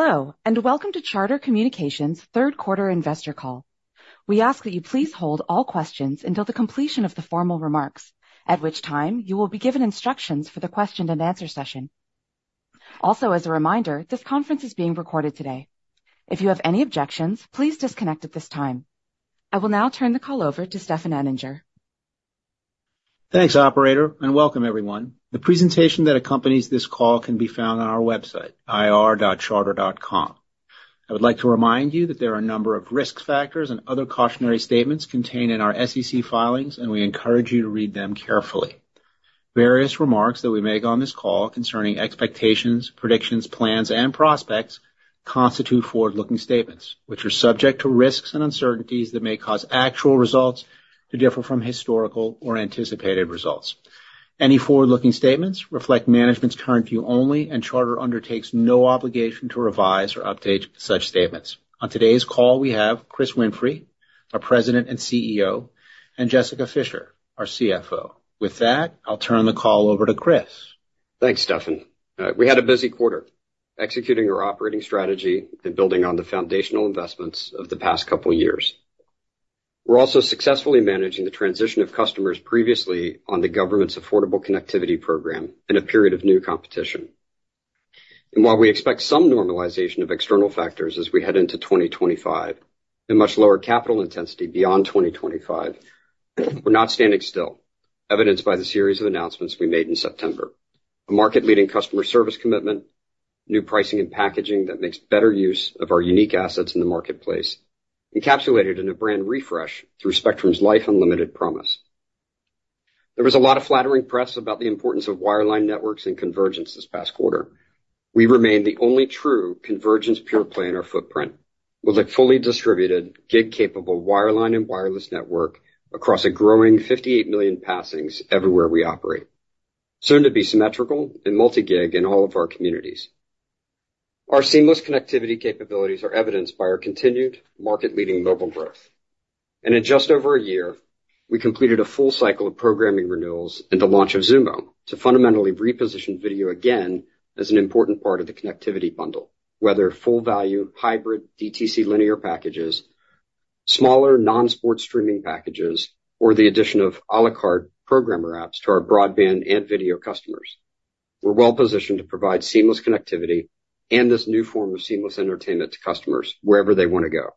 Hello, and welcome to Charter Communications' third quarter investor call. We ask that you please hold all questions until the completion of the formal remarks, at which time you will be given instructions for the question-and-answer session. Also, as a reminder, this conference is being recorded today. If you have any objections, please disconnect at this time. I will now turn the call over to Stefan Anninger. Thanks, Operator, and welcome, everyone. The presentation that accompanies this call can be found on our website, ir.charter.com. I would like to remind you that there are a number of risk factors and other cautionary statements contained in our SEC filings, and we encourage you to read them carefully. Various remarks that we make on this call concerning expectations, predictions, plans, and prospects constitute forward-looking statements, which are subject to risks and uncertainties that may cause actual results to differ from historical or anticipated results. Any forward-looking statements reflect management's current view only, and Charter undertakes no obligation to revise or update such statements. On today's call, we have Chris Winfrey, our President and CEO, and Jessica Fischer, our CFO. With that, I'll turn the call over to Chris. Thanks, Stefan. We had a busy quarter, executing our operating strategy and building on the foundational investments of the past couple of years. We're also successfully managing the transition of customers previously on the government's Affordable Connectivity Program in a period of new competition. And while we expect some normalization of external factors as we head into 2025 and much lower capital intensity beyond 2025, we're not standing still, evidenced by the series of announcements we made in September. A market-leading customer service commitment, new pricing and packaging that makes better use of our unique assets in the marketplace, encapsulated in a brand refresh through Spectrum's Life Unlimited promise. There was a lot of flattering press about the importance of wireline networks and convergence this past quarter. We remain the only true convergence pure-play in our footprint with a fully distributed, gig-capable wireline and wireless network across a growing 58 million passings everywhere we operate, soon to be symmetrical and multi-gig in all of our communities. Our seamless connectivity capabilities are evidenced by our continued market-leading mobile growth. And in just over a year, we completed a full cycle of programming renewals and the launch of Xumo to fundamentally reposition video again as an important part of the connectivity bundle, whether full-value hybrid DTC linear packages, smaller non-sports streaming packages, or the addition of à la carte programmer apps to our broadband and video customers. We're well positioned to provide seamless connectivity and this new form of seamless entertainment to customers wherever they want to go.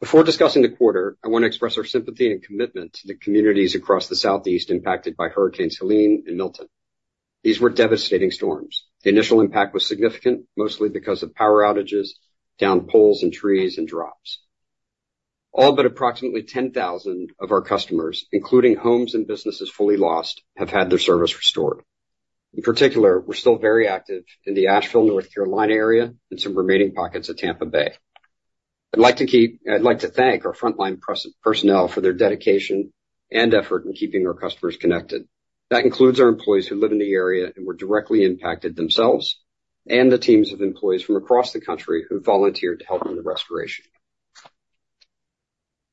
Before discussing the quarter, I want to express our sympathy and commitment to the communities across the Southeast impacted by Hurricanes Helene and Milton. These were devastating storms. The initial impact was significant, mostly because of power outages, downed poles and trees, and drops. All but approximately 10,000 of our customers, including homes and businesses fully lost, have had their service restored. In particular, we're still very active in the Asheville, North Carolina area, and some remaining pockets of Tampa Bay. I'd like to thank our frontline personnel for their dedication and effort in keeping our customers connected. That includes our employees who live in the area and were directly impacted themselves, and the teams of employees from across the country who volunteered to help in the restoration.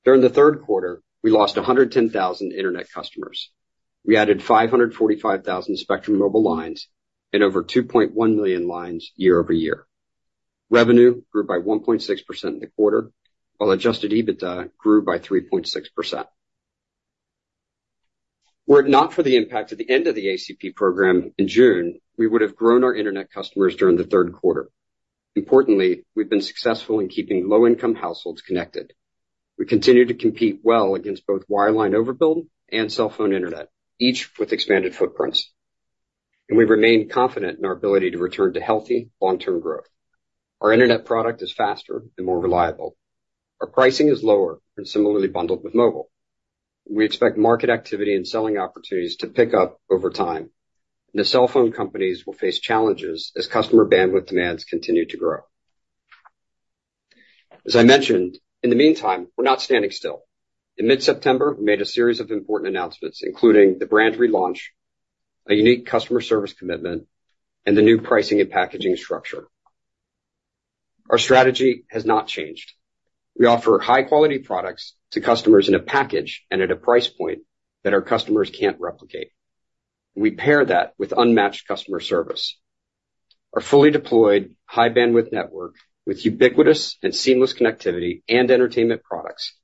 During the third quarter, we lost 110,000 internet customers. We added 545,000 Spectrum Mobile lines and over 2.1 million lines year-over-year. Revenue grew by 1.6% in the quarter, while adjusted EBITDA grew by 3.6%. Were it not for the impact at the end of the ACP program in June, we would have grown our internet customers during the third quarter. Importantly, we've been successful in keeping low-income households connected. We continue to compete well against both wireline overbuild and cell phone internet, each with expanded footprints, and we remain confident in our ability to return to healthy, long-term growth. Our internet product is faster and more reliable. Our pricing is lower and similarly bundled with mobile. We expect market activity and selling opportunities to pick up over time, and the cell phone companies will face challenges as customer bandwidth demands continue to grow. As I mentioned, in the meantime, we're not standing still. In mid-September, we made a series of important announcements, including the brand relaunch, a unique customer service commitment, and the new pricing and packaging structure. Our strategy has not changed. We offer high-quality products to customers in a package and at a price point that our customers can't replicate. We pair that with unmatched customer service. Our fully deployed high-bandwidth network with ubiquitous and seamless connectivity and entertainment products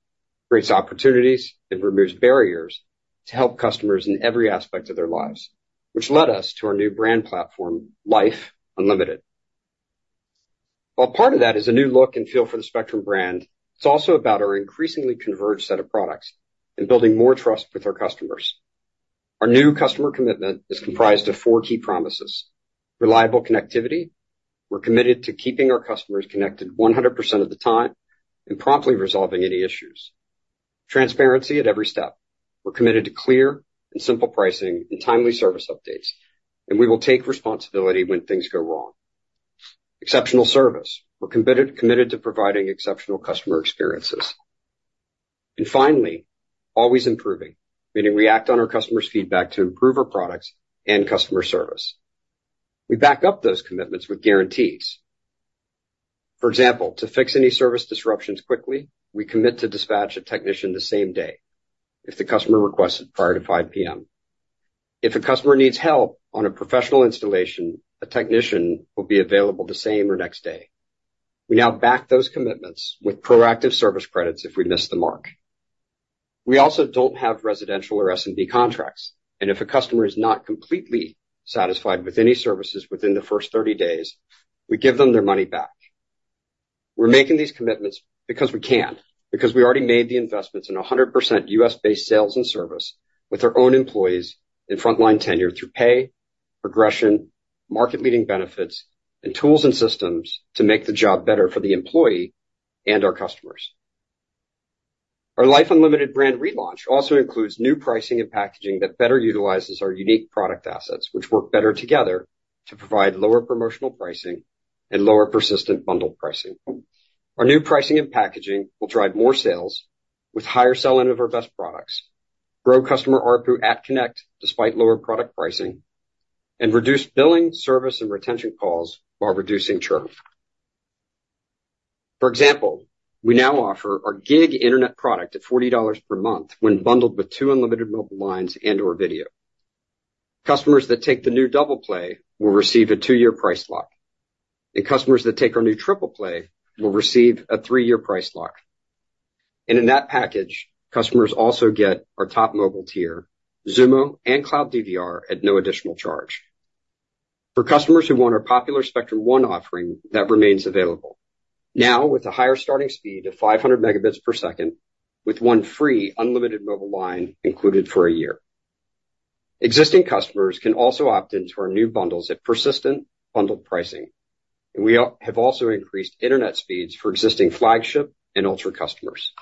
creates opportunities and removes barriers to help customers in every aspect of their lives, which led us to our new brand platform, Life Unlimited. While part of that is a new look and feel for the Spectrum brand, it's also about our increasingly converged set of products and building more trust with our customers. Our new customer commitment is comprised of four key promises: reliable connectivity. We're committed to keeping our customers connected 100% of the time and promptly resolving any issues. Transparency at every step. We're committed to clear and simple pricing and timely service updates, and we will take responsibility when things go wrong. Exceptional service. We're committed to providing exceptional customer experiences. And finally, always improving, meaning we act on our customers' feedback to improve our products and customer service. We back up those commitments with guarantees. For example, to fix any service disruptions quickly, we commit to dispatch a technician the same day if the customer requests it prior to 5:00 P.M. If a customer needs help on a professional installation, a technician will be available the same or next day. We now back those commitments with proactive service credits if we miss the mark. We also don't have residential or SMB contracts. If a customer is not completely satisfied with any services within the first 30 days, we give them their money back. We're making these commitments because we can, because we already made the investments in 100% U.S.-based sales and service with our own employees and frontline tenure through pay, progression, market-leading benefits, and tools and systems to make the job better for the employee and our customers. Our Life Unlimited brand relaunch also includes new pricing and packaging that better utilizes our unique product assets, which work better together to provide lower promotional pricing and lower persistent bundled pricing. Our new pricing and packaging will drive more sales with higher selling of our best products, grow customer ARPU at scale despite lower product pricing, and reduce billing, service, and retention calls while reducing churn. For example, we now offer our gig internet product at $40 per month when bundled with two unlimited mobile lines and/or video. Customers that take the new double play will receive a two-year price lock, and customers that take our new triple play will receive a three-year price lock. And in that package, customers also get our top mobile tier, Xumo and Cloud DVR at no additional charge. For customers who want our popular Spectrum One offering, that remains available now with a higher starting speed of 500 Mbps with one free unlimited mobile line included for a year. Existing customers can also opt into our new bundles at persistent bundled pricing. And we have also increased internet speeds for existing flagship and ultra customers.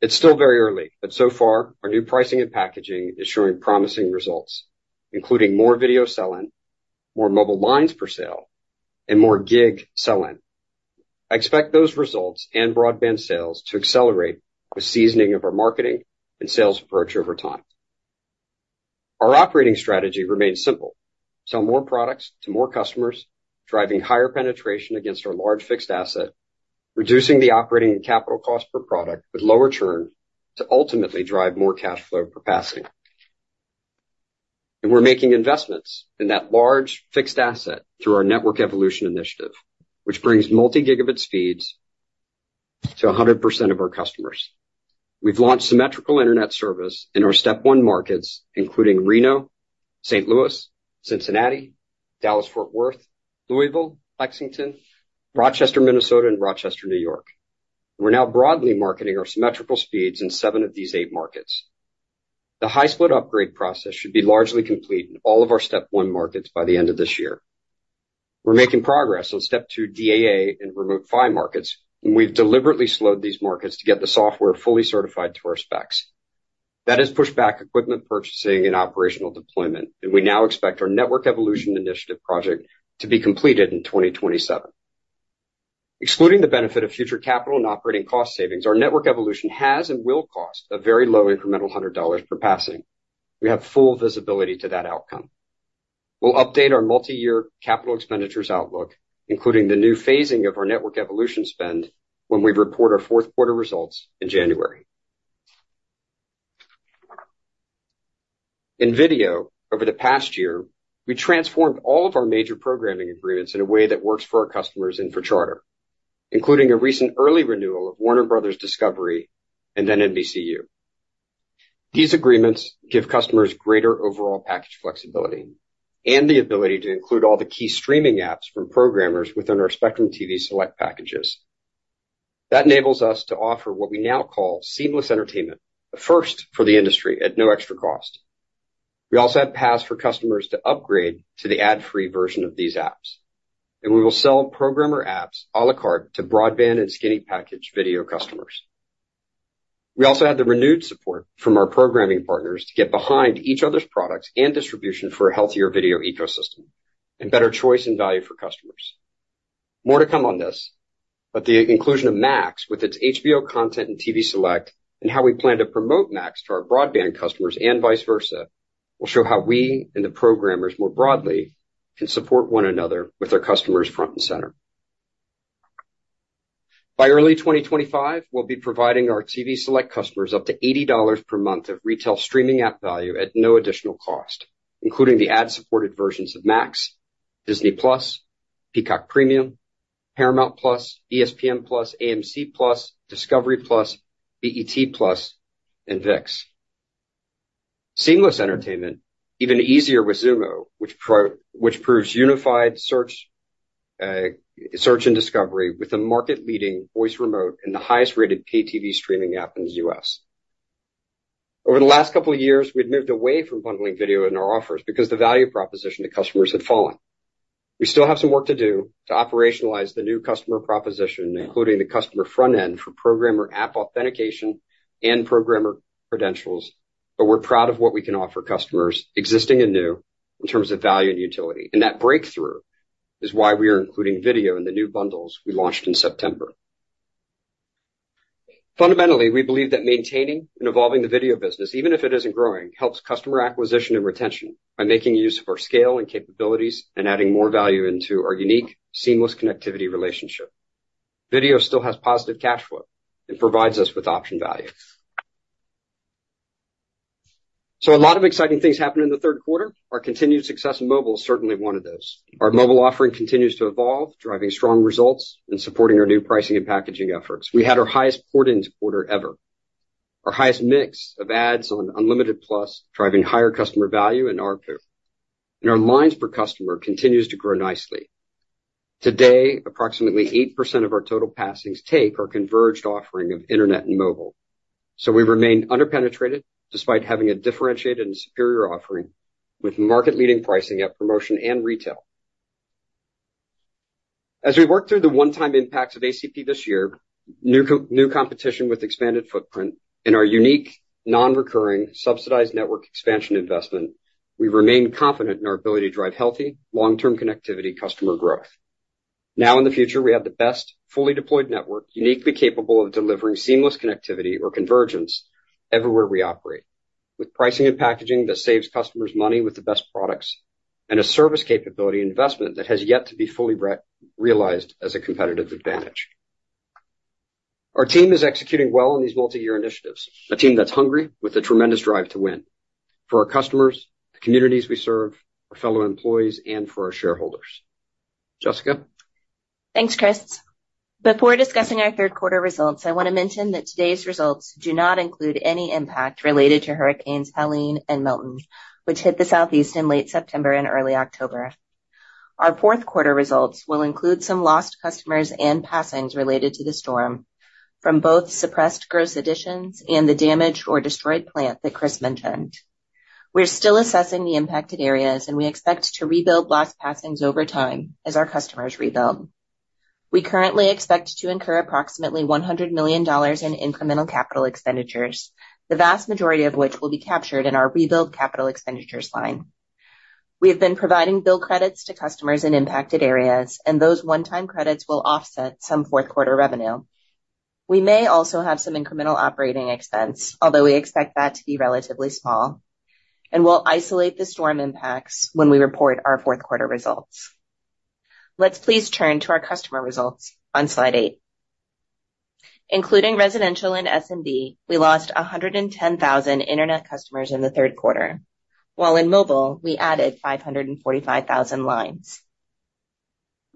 It's still very early, but so far, our new pricing and packaging is showing promising results, including more video selling, more mobile lines for sale, and more gig selling. I expect those results and broadband sales to accelerate with seasoning of our marketing and sales approach over time. Our operating strategy remains simple: sell more products to more customers, driving higher penetration against our large fixed asset, reducing the operating capital cost per product with lower churn to ultimately drive more cash flow per passing. And we're making investments in that large fixed asset through our network evolution initiative, which brings multi-gigabit speeds to 100% of our customers. We've launched symmetrical internet service in our Step 1 markets, including Reno, St. Louis, Cincinnati, Dallas-Fort Worth, Louisville, Lexington, Rochester, Minnesota, and Rochester, New York. We're now broadly marketing our symmetrical speeds in seven of these eight markets. The high-split upgrade process should be largely complete in all of our Step 1 markets by the end of this year. We're making progress on Step 2 DAA and Remote PHY markets, and we've deliberately slowed these markets to get the software fully certified to our specs. That has pushed back equipment purchasing and operational deployment, and we now expect our network evolution initiative project to be completed in 2027. Excluding the benefit of future capital and operating cost savings, our network evolution has and will cost a very low incremental $100 per passing. We have full visibility to that outcome. We'll update our multi-year capital expenditures outlook, including the new phasing of our network evolution spend when we report our fourth quarter results in January. In video, over the past year, we transformed all of our major programming agreements in a way that works for our customers and for Charter, including a recent early renewal of Warner Bros. Discovery and then NBCU. These agreements give customers greater overall package flexibility and the ability to include all the key streaming apps from programmers within our Spectrum TV Select packages. That enables us to offer what we now call seamless entertainment, the first for the industry at no extra cost. We also have paths for customers to upgrade to the ad-free version of these apps, and we will sell programmer apps à la carte to broadband and skinny package video customers. We also had the renewed support from our programming partners to get behind each other's products and distribution for a healthier video ecosystem and better choice and value for customers. More to come on this, but the inclusion of Max with its HBO content and TV Select and how we plan to promote Max to our broadband customers and vice versa will show how we and the programmers more broadly can support one another with our customers front and center. By early 2025, we'll be providing our TV Select customers up to $80 per month of retail streaming app value at no additional cost, including the ad-supported versions of Max, Disney+, Peacock Premium, Paramount+, ESPN+, AMC+, Discovery+, BET+, and ViX. Seamless entertainment, even easier with Xumo, which proves unified search and discovery with a market-leading voice remote and the highest-rated pay-TV streaming app in the U.S. Over the last couple of years, we had moved away from bundling video in our offers because the value proposition to customers had fallen. We still have some work to do to operationalize the new customer proposition, including the customer front end for programmer app authentication and programmer credentials, but we're proud of what we can offer customers existing and new in terms of value and utility, and that breakthrough is why we are including video in the new bundles we launched in September. Fundamentally, we believe that maintaining and evolving the video business, even if it isn't growing, helps customer acquisition and retention by making use of our scale and capabilities and adding more value into our unique seamless connectivity relationship. Video still has positive cash flow and provides us with option value, so a lot of exciting things happened in the third quarter. Our continued success in mobile is certainly one of those. Our mobile offering continues to evolve, driving strong results and supporting our new pricing and packaging efforts. We had our highest porting quarter ever. Our highest mix of ads on Unlimited Plus driving higher customer value and ARPU, and our lines per customer continues to grow nicely. Today, approximately 8% of our total passings take our converged offering of internet and mobile, so we remain underpenetrated despite having a differentiated and superior offering with market-leading pricing at promotion and retail. As we work through the one-time impacts of ACP this year, new competition with expanded footprint, and our unique non-recurring subsidized network expansion investment, we remain confident in our ability to drive healthy, long-term connectivity customer growth. Now in the future, we have the best fully deployed network uniquely capable of delivering seamless connectivity or convergence everywhere we operate, with pricing and packaging that saves customers money with the best products and a service capability investment that has yet to be fully realized as a competitive advantage. Our team is executing well on these multi-year initiatives, a team that's hungry with a tremendous drive to win for our customers, the communities we serve, our fellow employees, and for our shareholders. Jessica. Thanks, Chris. Before discussing our third quarter results, I want to mention that today's results do not include any impact related to Hurricanes Helene and Milton, which hit the southeast in late September and early October. Our fourth quarter results will include some lost customers and passings related to the storm from both suppressed gross additions and the damaged or destroyed plant that Chris mentioned. We're still assessing the impacted areas, and we expect to rebuild lost passings over time as our customers rebuild. We currently expect to incur approximately $100 million in incremental capital expenditures, the vast majority of which will be captured in our rebuild capital expenditures line. We have been providing bill credits to customers in impacted areas, and those one-time credits will offset some fourth quarter revenue. We may also have some incremental operating expense, although we expect that to be relatively small, and we'll isolate the storm impacts when we report our fourth quarter results. Let's please turn to our customer results on slide eight. Including residential and SMB, we lost 110,000 internet customers in the third quarter, while in mobile, we added 545,000 lines.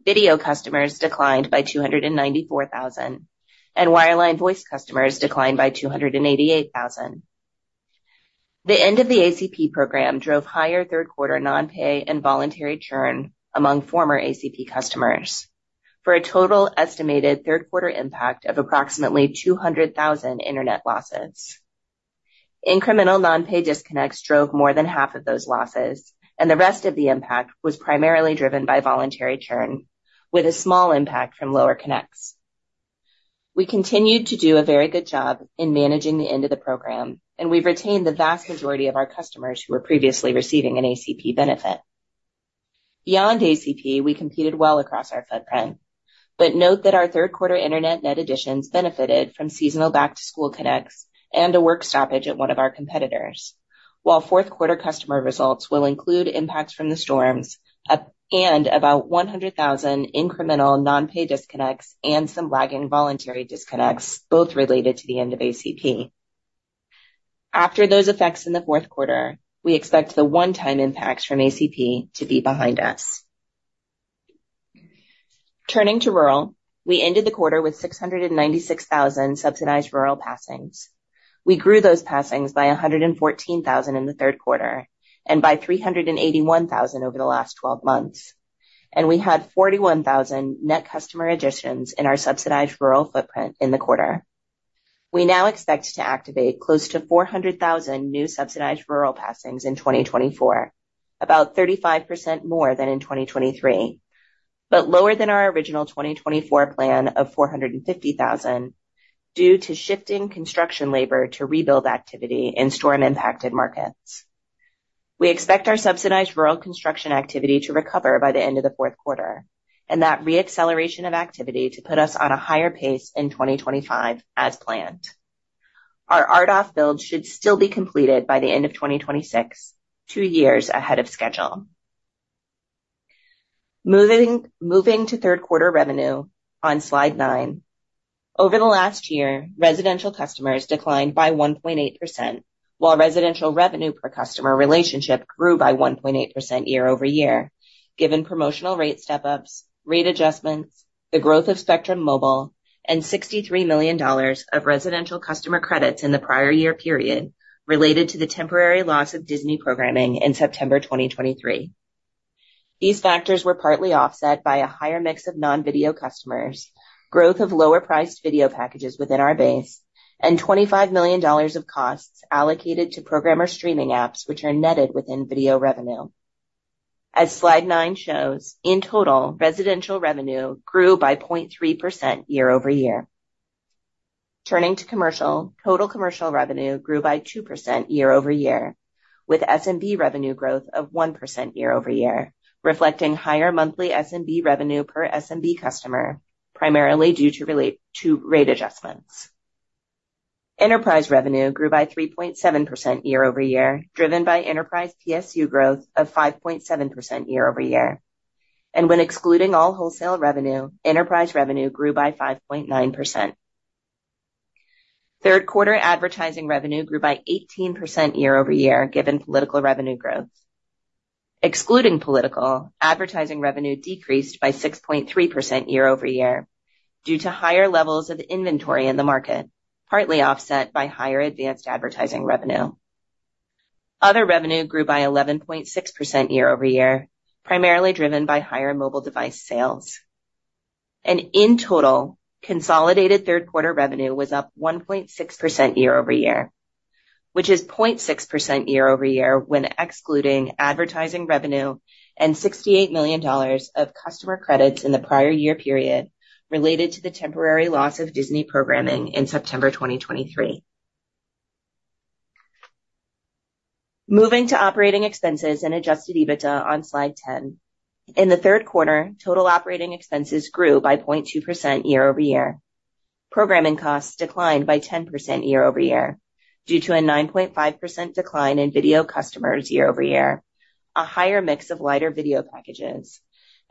Video customers declined by 294,000, and wireline voice customers declined by 288,000. The end of the ACP program drove higher third quarter non-pay and voluntary churn among former ACP customers for a total estimated third quarter impact of approximately 200,000 internet losses. Incremental non-pay disconnects drove more than half of those losses, and the rest of the impact was primarily driven by voluntary churn, with a small impact from lower connects. We continued to do a very good job in managing the end of the program, and we've retained the vast majority of our customers who were previously receiving an ACP benefit. Beyond ACP, we competed well across our footprint, but note that our third quarter internet net additions benefited from seasonal back-to-school connects and a work stoppage at one of our competitors. While fourth quarter customer results will include impacts from the storms and about 100,000 incremental non-pay disconnects and some lagging voluntary disconnects, both related to the end of ACP. After those effects in the fourth quarter, we expect the one-time impacts from ACP to be behind us. Turning to rural, we ended the quarter with 696,000 subsidized rural passings. We grew those passings by 114,000 in the third quarter and by 381,000 over the last 12 months, and we had 41,000 net customer additions in our subsidized rural footprint in the quarter. We now expect to activate close to 400,000 new subsidized rural passings in 2024, about 35% more than in 2023, but lower than our original 2024 plan of 450,000 due to shifting construction labor to rebuild activity in storm-impacted markets. We expect our subsidized rural construction activity to recover by the end of the fourth quarter and that re-acceleration of activity to put us on a higher pace in 2025 as planned. Our RDOF build should still be completed by the end of 2026, two years ahead of schedule. Moving to third quarter revenue on slide nine, over the last year, residential customers declined by 1.8%, while residential revenue per customer relationship grew by 1.8% year-over-year, given promotional rate step-ups, rate adjustments, the growth of Spectrum Mobile, and $63 million of residential customer credits in the prior year period related to the temporary loss of Disney programming in September 2023. These factors were partly offset by a higher mix of non-video customers, growth of lower-priced video packages within our base, and $25 million of costs allocated to programmer streaming apps, which are netted within video revenue. As slide nine shows, in total, residential revenue grew by 0.3% year-over-year. Turning to commercial, total commercial revenue grew by 2% year-over-year, with SMB revenue growth of 1% year-over-year, reflecting higher monthly SMB revenue per SMB customer, primarily due to rate adjustments. Enterprise revenue grew by 3.7% year-over-year, driven by enterprise PSU growth of 5.7% year-over-year. And when excluding all wholesale revenue, enterprise revenue grew by 5.9%. Third quarter advertising revenue grew by 18% year-over-year, given political revenue growth. Excluding political, advertising revenue decreased by 6.3% year-over-year due to higher levels of inventory in the market, partly offset by higher advanced advertising revenue. Other revenue grew by 11.6% year-over-year, primarily driven by higher mobile device sales. And in total, consolidated third quarter revenue was up 1.6% year-over-year, which is 0.6% year-over-year when excluding advertising revenue and $68 million of customer credits in the prior year period related to the temporary loss of Disney programming in September 2023. Moving to operating expenses and adjusted EBITDA on slide 10. In the third quarter, total operating expenses grew by 0.2% year-over-year. Programming costs declined by 10% year-over-year due to a 9.5% decline in video customers year-over-year, a higher mix of lighter video packages,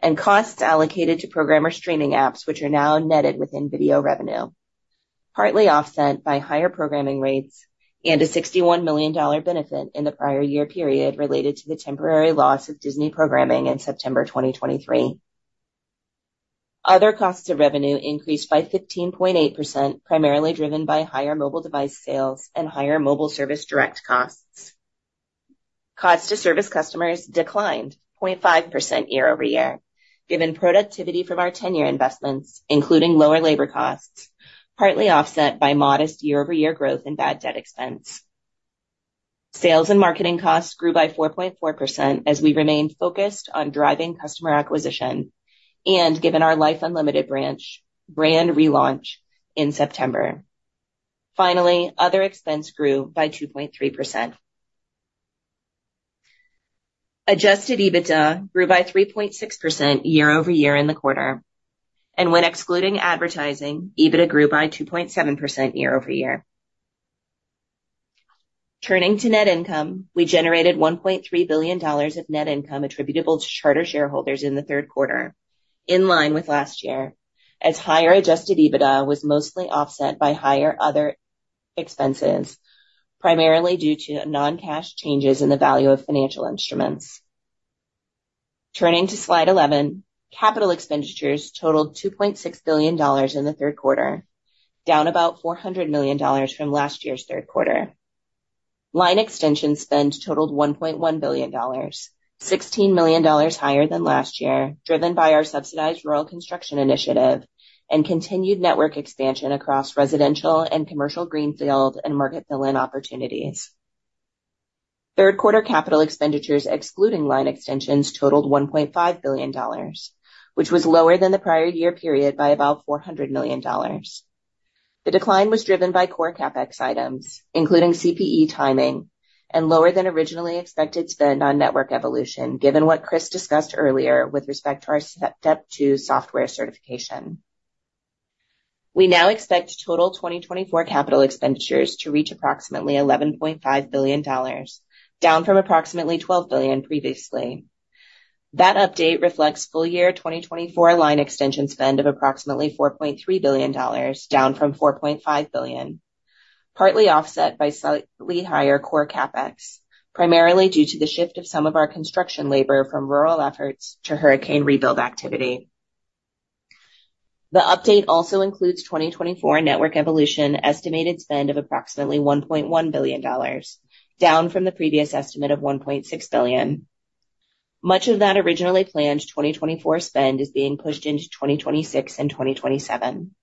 and costs allocated to programmer streaming apps, which are now netted within video revenue, partly offset by higher programming rates and a $61 million benefit in the prior year period related to the temporary loss of Disney programming in September 2023. Other costs of revenue increased by 15.8%, primarily driven by higher mobile device sales and higher mobile service direct costs. Cost-to-serve customers declined 0.5% year-over-year, given productivity from our 10-year investments, including lower labor costs, partly offset by modest year-over-year growth and bad debt expense. Sales and marketing costs grew by 4.4% as we remained focused on driving customer acquisition and given our Life Unlimited brand brand relaunch in September. Finally, other expense grew by 2.3%. Adjusted EBITDA grew by 3.6% year-over-year in the quarter, and when excluding advertising, EBITDA grew by 2.7% year-over-year. Turning to net income, we generated $1.3 billion of net income attributable to Charter shareholders in the third quarter, in line with last year, as higher adjusted EBITDA was mostly offset by higher other expenses, primarily due to non-cash changes in the value of financial instruments. Turning to slide 11, capital expenditures totaled $2.6 billion in the third quarter, down about $400 million from last year's third quarter. Line extension spend totaled $1.1 billion, $16 million higher than last year, driven by our subsidized rural construction initiative and continued network expansion across residential and commercial greenfield and market fill-in opportunities. Third quarter capital expenditures excluding line extensions totaled $1.5 billion, which was lower than the prior year period by about $400 million. The decline was driven by core CapEx items, including CPE timing, and lower than originally expected spend on network evolution, given what Chris discussed earlier with respect to our Step 2 software certification. We now expect total 2024 capital expenditures to reach approximately $11.5 billion, down from approximately $12 billion previously. That update reflects full year 2024 line extension spend of approximately $4.3 billion, down from $4.5 billion, partly offset by slightly higher core CapEx, primarily due to the shift of some of our construction labor from rural efforts to hurricane rebuild activity. The update also includes 2024 network evolution estimated spend of approximately $1.1 billion, down from the previous estimate of $1.6 billion. Much of that originally planned 2024 spend is being pushed into 2026 and 2027.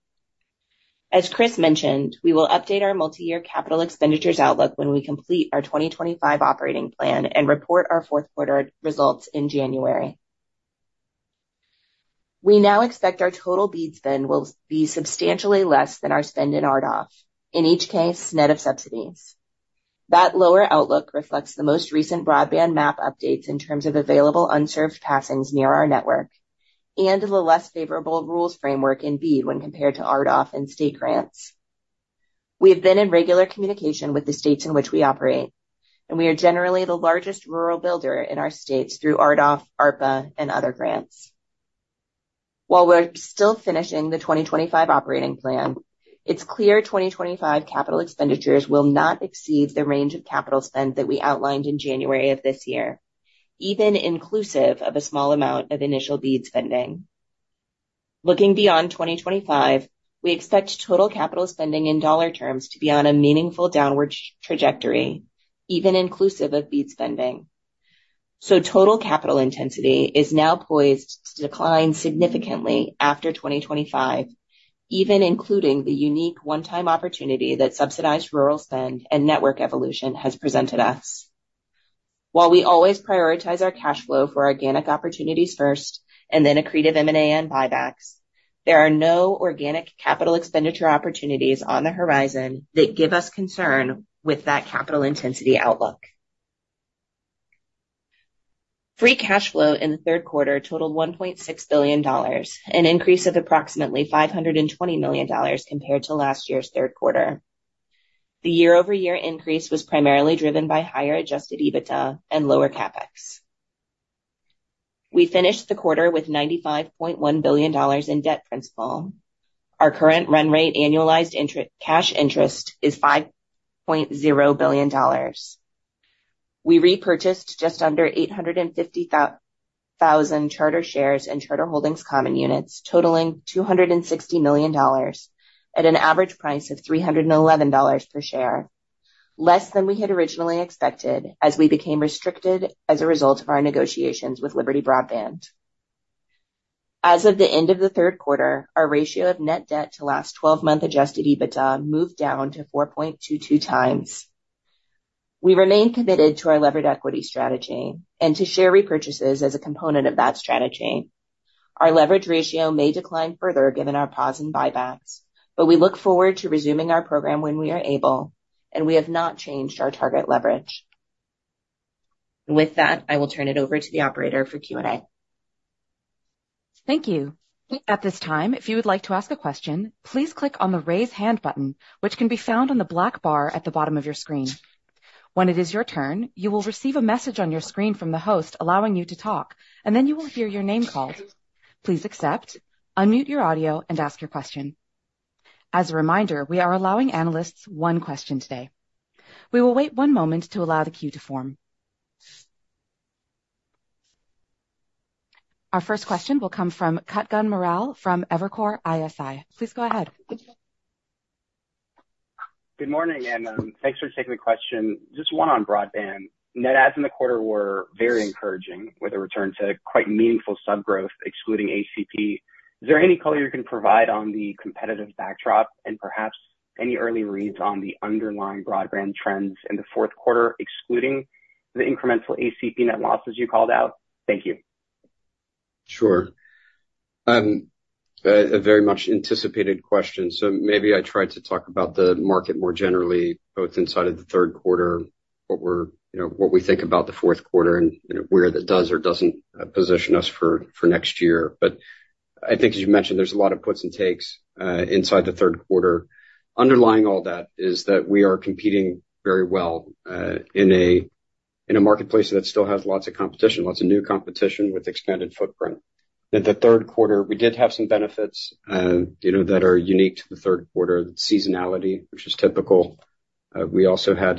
As Chris mentioned, we will update our multi-year capital expenditures outlook when we complete our 2025 operating plan and report our fourth quarter results in January. We now expect our total BEAD spend will be substantially less than our spend in RDOF, in each case net of subsidies. That lower outlook reflects the most recent broadband map updates in terms of available unserved passings near our network and the less favorable rules framework in BEAD when compared to RDOF and state grants. We have been in regular communication with the states in which we operate, and we are generally the largest rural builder in our states through RDOF, ARPA, and other grants. While we're still finishing the 2025 operating plan, it's clear 2025 capital expenditures will not exceed the range of capital spend that we outlined in January of this year, even inclusive of a small amount of initial BEAD spending. Looking beyond 2025, we expect total capital spending in dollar terms to be on a meaningful downward trajectory, even inclusive of BEAD spending. So total capital intensity is now poised to decline significantly after 2025, even including the unique one-time opportunity that subsidized rural spend and network evolution has presented us. While we always prioritize our cash flow for organic opportunities first and then accretive M&A and buybacks, there are no organic capital expenditure opportunities on the horizon that give us concern with that capital intensity outlook. Free cash flow in the third quarter totaled $1.6 billion, an increase of approximately $520 million compared to last year's third quarter. The year-over-year increase was primarily driven by higher adjusted EBITDA and lower CapEx. We finished the quarter with $95.1 billion in debt principal. Our current run rate annualized cash interest is $5.0 billion. We repurchased just under 850,000 Charter shares and Charter Holdings common units, totaling $260 million at an average price of $311 per share, less than we had originally expected as we became restricted as a result of our negotiations with Liberty Broadband. As of the end of the third quarter, our ratio of net debt to last 12-month adjusted EBITDA moved down to 4.22 times. We remain committed to our levered equity strategy and to share repurchases as a component of that strategy. Our leverage ratio may decline further given our pause and buybacks, but we look forward to resuming our program when we are able, and we have not changed our target leverage. With that, I will turn it over to the operator for Q&A. Thank you. At this time, if you would like to ask a question, please click on the raise hand button, which can be found on the black bar at the bottom of your screen. When it is your turn, you will receive a message on your screen from the host allowing you to talk, and then you will hear your name called. Please accept, unmute your audio, and ask your question. As a reminder, we are allowing analysts one question today. We will wait one moment to allow the queue to form. Our first question will come from Kutgun Maral from Evercore ISI. Please go ahead. Good morning, and thanks for taking the question. Just one on broadband. Net adds in the quarter were very encouraging with a return to quite meaningful subscriber growth, excluding ACP. Is there any color you can provide on the competitive backdrop and perhaps any early reads on the underlying broadband trends in the fourth quarter, excluding the incremental ACP net losses you called out? Thank you. Sure. Ah, very much anticipated question. So maybe I tried to talk about the market more generally, both inside of the third quarter, what we think about the fourth quarter, and where that does or doesn't position us for next year. But I think, as you mentioned, there's a lot of puts and takes inside the third quarter. Underlying all that is that we are competing very well in a marketplace that still has lots of competition, lots of new competition with expanded footprint. In the third quarter, we did have some benefits that are unique to the third quarter, the seasonality, which is typical. We also had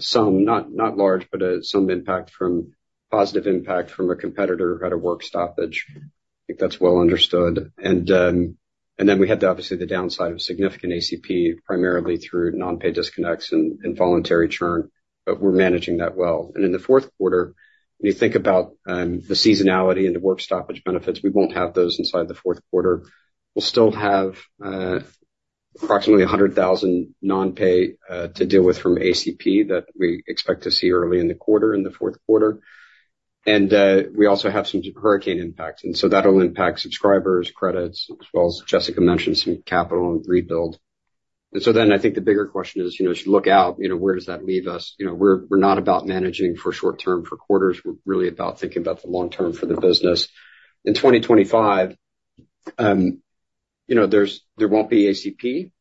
some, not large, but some impact from a positive impact from a competitor who had a work stoppage. I think that's well understood. Then we had, obviously, the downside of significant ACP, primarily through non-pay disconnects and involuntary churn, but we're managing that well. In the fourth quarter, when you think about the seasonality and the work stoppage benefits, we won't have those inside the fourth quarter. We'll still have approximately 100,000 non-pay to deal with from ACP that we expect to see early in the quarter, in the fourth quarter. We also have some hurricane impacts. That'll impact subscribers, credits, as well as, Jessica mentioned, some capital and rebuild. Then I think the bigger question is, as you look out, where does that leave us? We're not about managing for short-term for quarters. We're really about thinking about the long-term for the business. In 2025, there won't be ACP,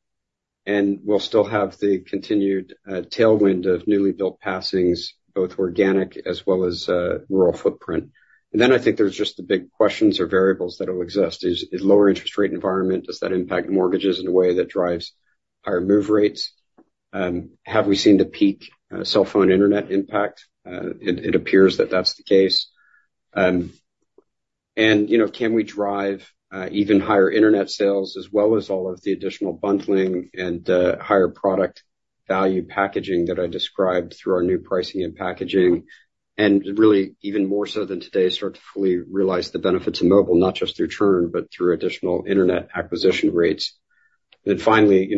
and we'll still have the continued tailwind of newly built passings, both organic as well as rural footprint, and then I think there's just the big questions or variables that will exist. Is lower interest rate environment, does that impact mortgages in a way that drives higher move rates? Have we seen the peak cell phone internet impact? It appears that that's the case, and can we drive even higher internet sales as well as all of the additional bundling and higher product value packaging that I described through our new pricing and packaging, and really, even more so than today, start to fully realize the benefits of mobile, not just through churn, but through additional internet acquisition rates. And then finally,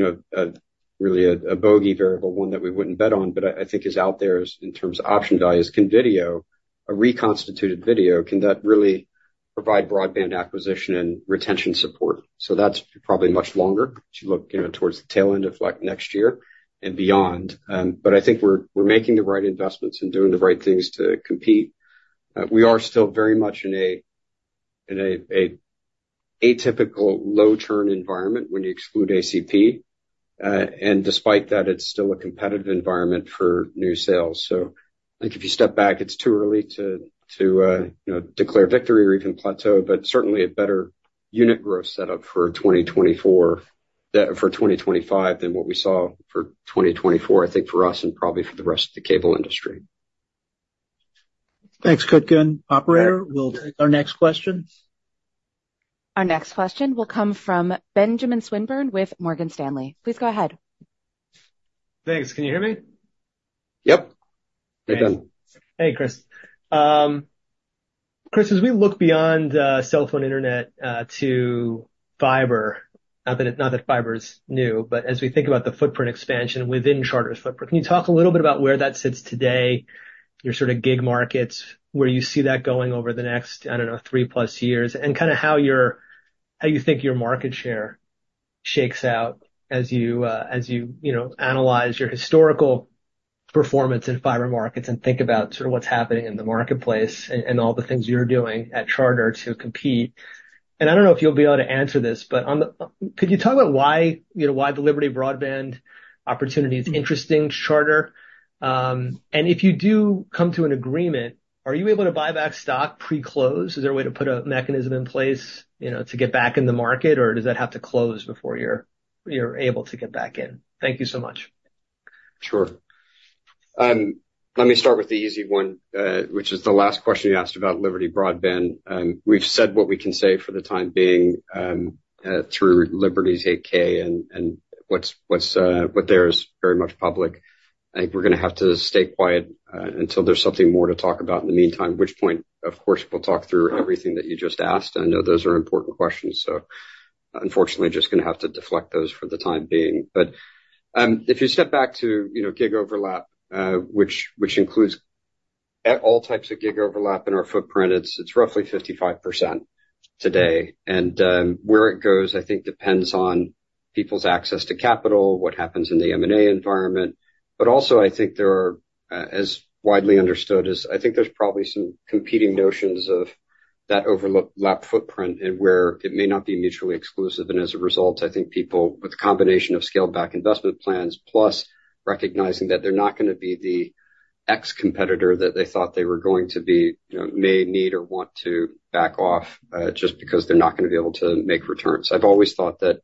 really a bogey variable, one that we wouldn't bet on, but I think is out there in terms of option value is, can video, a reconstituted video, can that really provide broadband acquisition and retention support? So that's probably much longer to look towards the tail end of next year and beyond. But I think we're making the right investments and doing the right things to compete. We are still very much in an atypical low churn environment when you exclude ACP. And despite that, it's still a competitive environment for new sales. So I think if you step back, it's too early to declare victory or even plateau, but certainly a better unit growth setup for 2024 than what we saw for 2024, I think, for us and probably for the rest of the cable industry. Thanks, Kutgun Maral. We'll take our next question. Our next question will come from Benjamin Swinburne with Morgan Stanley. Please go ahead. Thanks. Can you hear me? Yep. Hey, Ben. Hey, Chris. Chris, as we look beyond cell phone internet to fiber, not that fiber is new, but as we think about the footprint expansion within Charter's footprint, can you talk a little bit about where that sits today, your sort of gig markets, where you see that going over the next, I don't know, three-plus years, and kind of how you think your market share shakes out as you analyze your historical performance in fiber markets and think about sort of what's happening in the marketplace and all the things you're doing at Charter to compete, and I don't know if you'll be able to answer this, but could you talk about why the Liberty Broadband opportunity is interesting to Charter? And if you do come to an agreement, are you able to buy back stock pre-close? Is there a way to put a mechanism in place to get back in the market, or does that have to close before you're able to get back in? Thank you so much. Sure. Let me start with the easy one, which is the last question you asked about Liberty Broadband. We've said what we can say for the time being through Liberty's 8-K and what's there is very much public. I think we're going to have to stay quiet until there's something more to talk about in the meantime, which point, of course, we'll talk through everything that you just asked. I know those are important questions. So unfortunately, just going to have to deflect those for the time being. But if you step back to gig overlap, which includes all types of gig overlap in our footprint, it's roughly 55% today. And where it goes, I think, depends on people's access to capital, what happens in the M&A environment. But also, I think there are, as widely understood, as I think there's probably some competing notions of that overlap footprint and where it may not be mutually exclusive. And as a result, I think people with a combination of scaled-back investment plans, plus recognizing that they're not going to be the ex-competitor that they thought they were going to be, may need or want to back off just because they're not going to be able to make returns. I've always thought that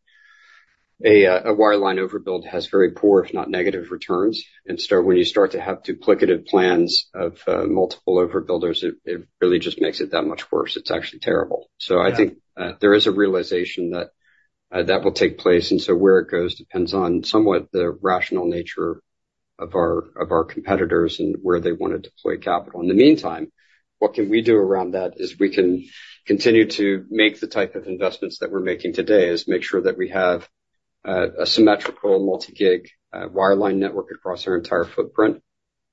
a wireline overbuild has very poor, if not negative, returns. And so when you start to have duplicative plans of multiple overbuilders, it really just makes it that much worse. It's actually terrible. So I think there is a realization that that will take place. And so where it goes depends on somewhat the rational nature of our competitors and where they want to deploy capital. In the meantime, what can we do around that is we can continue to make the type of investments that we're making today is make sure that we have a symmetrical multi-gig wireline network across our entire footprint,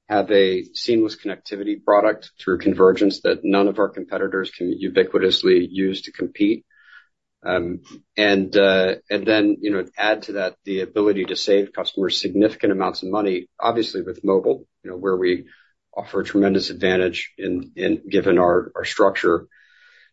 have a seamless connectivity product through convergence that none of our competitors can ubiquitously use to compete. And then add to that the ability to save customers significant amounts of money, obviously with mobile, where we offer a tremendous advantage given our structure,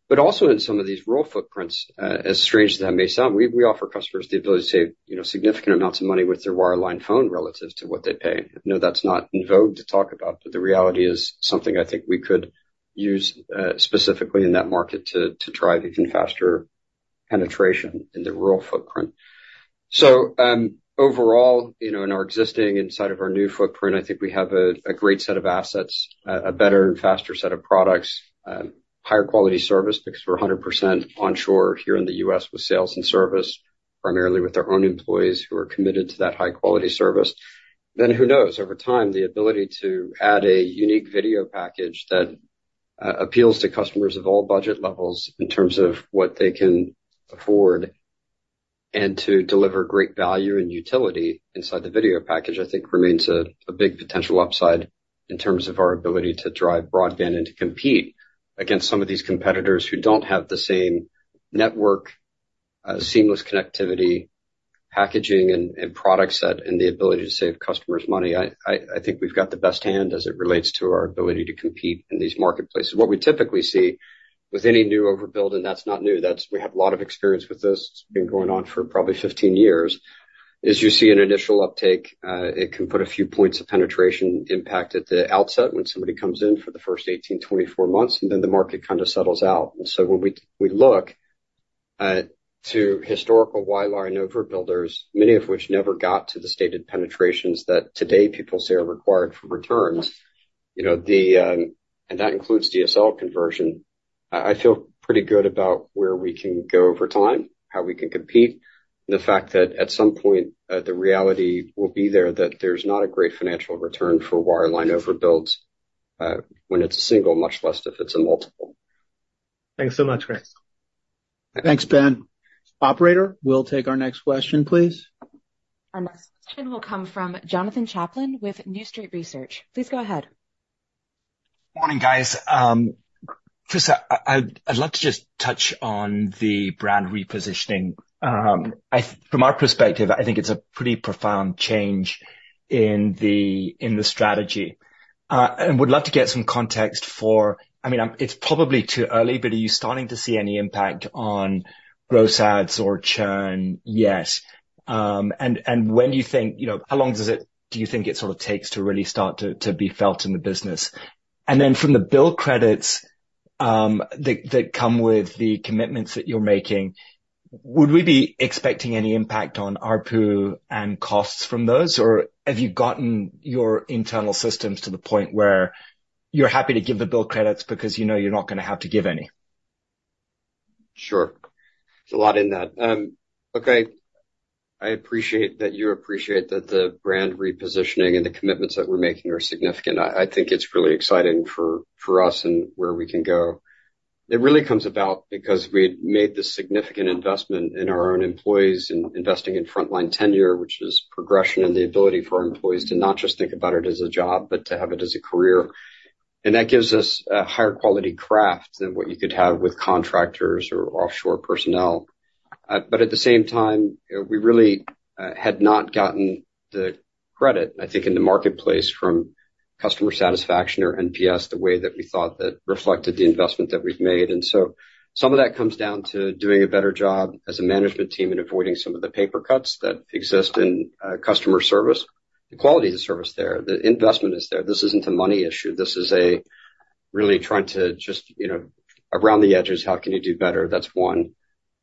but also in some of these rural footprints. As strange as that may sound, we offer customers the ability to save significant amounts of money with their wireline phone relative to what they pay. I know that's not in vogue to talk about, but the reality is something I think we could use specifically in that market to drive even faster penetration in the rural footprint. So overall, in our existing, inside of our new footprint, I think we have a great set of assets, a better and faster set of products, higher quality service because we're 100% onshore here in the U.S. with sales and service, primarily with our own employees who are committed to that high-quality service. Then who knows, over time, the ability to add a unique video package that appeals to customers of all budget levels in terms of what they can afford and to deliver great value and utility inside the video package. I think it remains a big potential upside in terms of our ability to drive broadband and to compete against some of these competitors who don't have the same network, seamless connectivity, packaging, and product set, and the ability to save customers money. I think we've got the best hand as it relates to our ability to compete in these marketplaces. What we typically see with any new overbuild, and that's not new, we have a lot of experience with this. It's been going on for probably 15 years, is you see an initial uptake. It can put a few points of penetration impact at the outset when somebody comes in for the first 18, 24 months, and then the market kind of settles out. And so when we look to historical wireline overbuilders, many of which never got to the stated penetrations that today people say are required for returns, and that includes DSL conversion, I feel pretty good about where we can go over time, how we can compete, and the fact that at some point, the reality will be there that there's not a great financial return for wireline overbuilds when it's a single, much less if it's a multiple. Thanks so much, Chris. Thanks, Ben. Operator, we'll take our next question, please. Our next question will come from Jonathan Chaplin with New Street Research. Please go ahead. Morning, guys. Chris, I'd love to just touch on the brand repositioning. From our perspective, I think it's a pretty profound change in the strategy. And we'd love to get some context for, I mean, it's probably too early, but are you starting to see any impact on gross adds or churn yet? And when do you think, how long do you think it sort of takes to really start to be felt in the business? And then from the bill credits that come with the commitments that you're making, would we be expecting any impact on ARPU and costs from those, or have you gotten your internal systems to the point where you're happy to give the bill credits because you know you're not going to have to give any? Sure. There's a lot in that. Okay. I appreciate that you appreciate that the brand repositioning and the commitments that we're making are significant. I think it's really exciting for us and where we can go. It really comes about because we made the significant investment in our own employees and investing in frontline tenure, which is progression and the ability for our employees to not just think about it as a job, but to have it as a career. And that gives us a higher quality staff than what you could have with contractors or offshore personnel. But at the same time, we really had not gotten the credit, I think, in the marketplace from customer satisfaction or NPS the way that we thought that reflected the investment that we've made. And so some of that comes down to doing a better job as a management team and avoiding some of the paper cuts that exist in customer service. The quality of the service there, the investment is there. This isn't a money issue. This is really trying to just around the edges, how can you do better? That's one.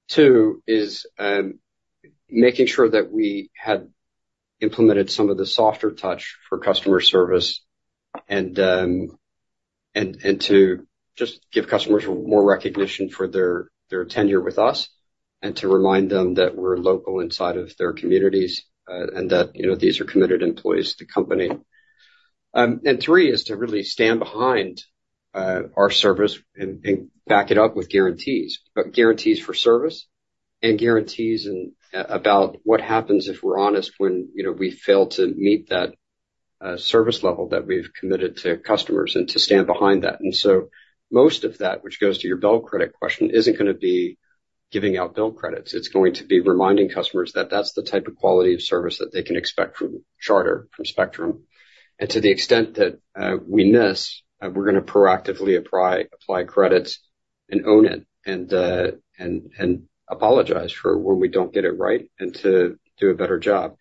Two is making sure that we had implemented some of the softer touch for customer service and to just give customers more recognition for their tenure with us and to remind them that we're local inside of their communities and that these are committed employees to the company. And three is to really stand behind our service and back it up with guarantees, but guarantees for service and guarantees about what happens if we're honest when we fail to meet that service level that we've committed to customers and to stand behind that. And so most of that, which goes to your bill credit question, isn't going to be giving out bill credits. It's going to be reminding customers that that's the type of quality of service that they can expect from Charter, from Spectrum. To the extent that we miss, we're going to proactively apply credits and own it and apologize for when we don't get it right and to do a better job.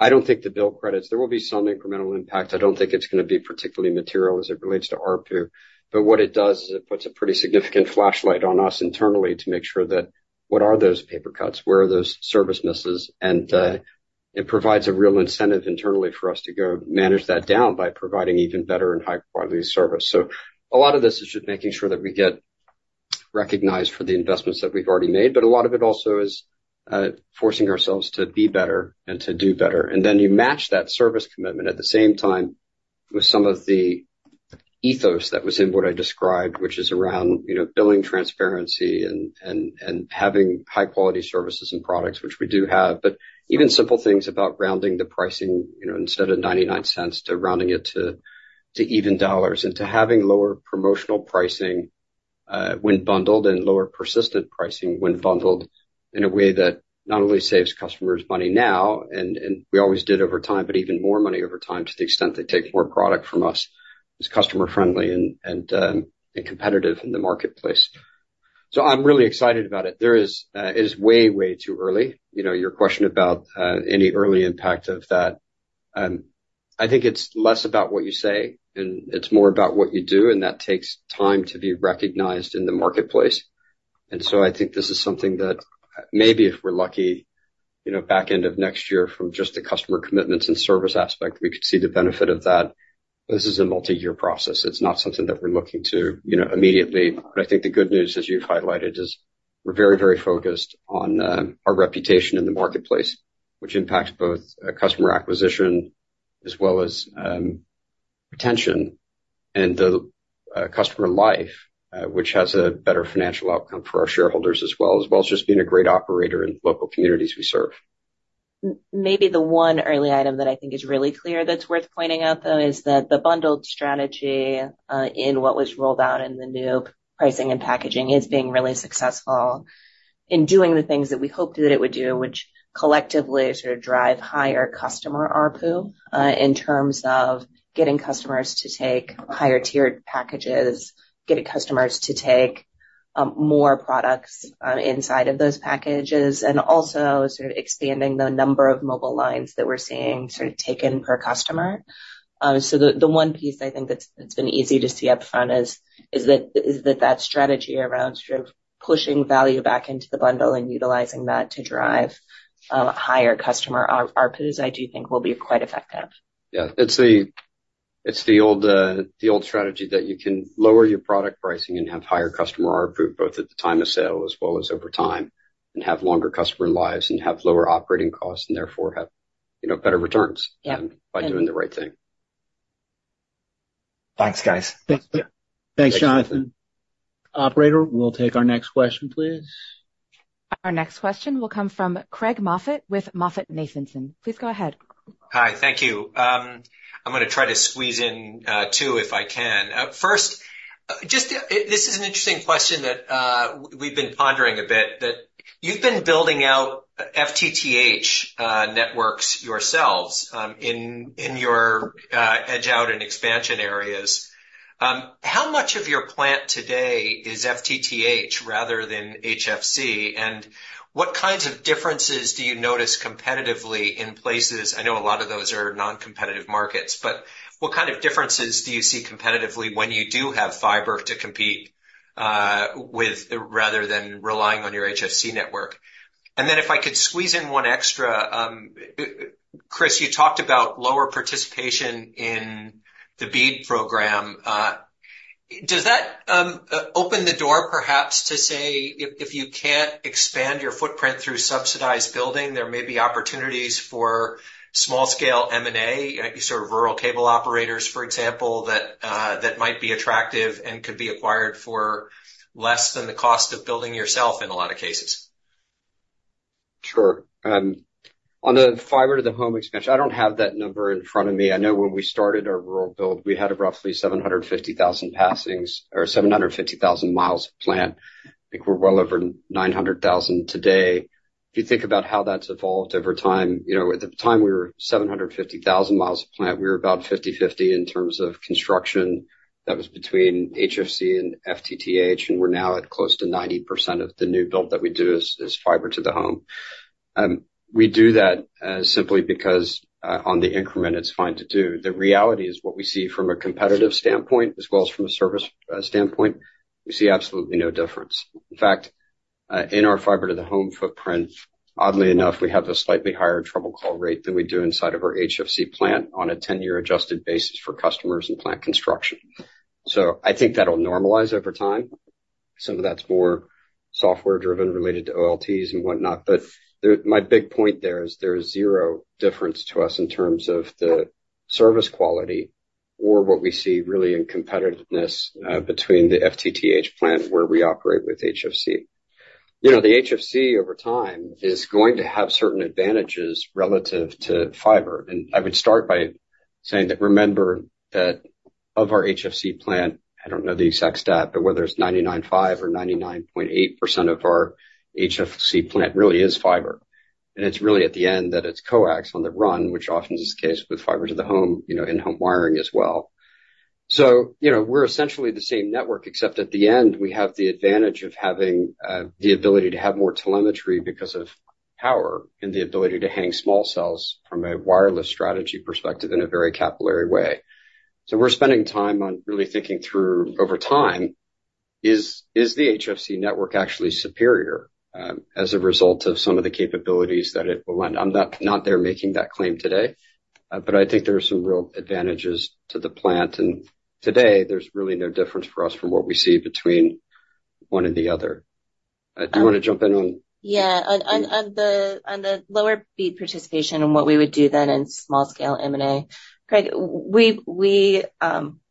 I don't think the bill credits; there will be some incremental impact. I don't think it's going to be particularly material as it relates to ARPU. What it does is it puts a pretty significant flashlight on us internally to make sure that what are those paper cuts? Where are those service misses? It provides a real incentive internally for us to go manage that down by providing even better and high-quality service. So a lot of this is just making sure that we get recognized for the investments that we've already made, but a lot of it also is forcing ourselves to be better and to do better. And then you match that service commitment at the same time with some of the ethos that was in what I described, which is around billing transparency and having high-quality services and products, which we do have, but even simple things about rounding the pricing instead of $0.99 to rounding it to even dollars and to having lower promotional pricing when bundled and lower persistent pricing when bundled in a way that not only saves customers money now, and we always did over time, but even more money over time to the extent they take more product from us, is customer-friendly and competitive in the marketplace. So I'm really excited about it. It is way, way too early. Your question about any early impact of that, I think it's less about what you say, and it's more about what you do, and that takes time to be recognized in the marketplace, and so I think this is something that maybe, if we're lucky, back end of next year from just the customer commitments and service aspect, we could see the benefit of that. This is a multi-year process. It's not something that we're looking to immediately, but I think the good news, as you've highlighted, is we're very, very focused on our reputation in the marketplace, which impacts both customer acquisition as well as retention and the customer life, which has a better financial outcome for our shareholders as well, as well as just being a great operator in the local communities we serve. Maybe the one early item that I think is really clear that's worth pointing out, though, is that the bundled strategy in what was rolled out in the new pricing and packaging is being really successful in doing the things that we hoped that it would do, which collectively sort of drive higher customer ARPU in terms of getting customers to take higher-tiered packages, getting customers to take more products inside of those packages, and also sort of expanding the number of mobile lines that we're seeing sort of taken per customer. So the one piece I think that's been easy to see upfront is that that strategy around sort of pushing value back into the bundle and utilizing that to drive higher customer ARPUs, I do think will be quite effective. Yeah. It's the old strategy that you can lower your product pricing and have higher customer ARPU, both at the time of sale as well as over time, and have longer customer lives and have lower operating costs and therefore have better returns by doing the right thing. Thanks, guys. Thanks, Jonathan. Operator, we'll take our next question, please. Our next question will come from Craig Moffett with MoffettNathanson. Please go ahead. Hi. Thank you. I'm going to try to squeeze in two if I can. First, this is an interesting question that we've been pondering a bit, that you've been building out FTTH networks yourselves in your edge-out and expansion areas. How much of your plant today is FTTH rather than HFC? And what kinds of differences do you notice competitively in places? I know a lot of those are non-competitive markets, but what kind of differences do you see competitively when you do have fiber to compete rather than relying on your HFC network? And then if I could squeeze in one extra, Chris, you talked about lower participation in the BEAD program. Does that open the door perhaps to say if you can't expand your footprint through subsidized building, there may be opportunities for small-scale M&A, sort of rural cable operators, for example, that might be attractive and could be acquired for less than the cost of building yourself in a lot of cases? Sure. On the fiber to the home expansion, I don't have that number in front of me. I know when we started our rural build, we had roughly 750,000 passings or 750,000 miles of plant. I think we're well over 900,000 today. If you think about how that's evolved over time, at the time we were 750,000 miles of plant, we were about 50/50 in terms of construction. That was between HFC and FTTH, and we're now at close to 90% of the new build that we do is fiber to the home. We do that simply because on the increment, it's fine to do. The reality is what we see from a competitive standpoint as well as from a service standpoint, we see absolutely no difference. In fact, in our fiber to the home footprint, oddly enough, we have a slightly higher trouble call rate than we do inside of our HFC plant on a 10-year adjusted basis for customers and plant construction. So I think that'll normalize over time. Some of that's more software-driven related to OLTs and whatnot. But my big point there is there is zero difference to us in terms of the service quality or what we see really in competitiveness between the FTTH plant where we operate with HFC. The HFC over time is going to have certain advantages relative to fiber. And I would start by saying that remember that of our HFC plant, I don't know the exact stat, but whether it's 99.5% or 99.8% of our HFC plant really is fiber. And it's really at the end that it's coax on the run, which often is the case with fiber to the home, in-home wiring as well. So we're essentially the same network, except at the end, we have the advantage of having the ability to have more telemetry because of power and the ability to hang small cells from a wireless strategy perspective in a very capillary way. So we're spending time really thinking through over time, is the HFC network actually superior as a result of some of the capabilities that it will lend? I'm not there making that claim today, but I think there are some real advantages to the plant, and today there's really no difference for us from what we see between one and the other. Do you want to jump in on? Yeah. On the lower BEAD participation and what we would do then in small-scale M&A, Craig, we